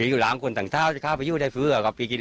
โอ้ยหลังคนต่างเท้าจะข้าวไปรู้ได้เพื่อ